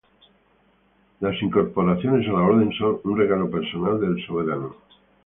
Las incorporaciones a la Orden son un regalo personal del soberano.